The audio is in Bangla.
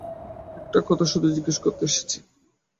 একটা কথা শুধু জিজ্ঞেস করতে এসেছি।